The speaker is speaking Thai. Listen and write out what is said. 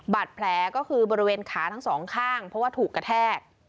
บาดแผลก็คือบริเวณขาทั้งสองข้างเพราะว่าถูกกระแทก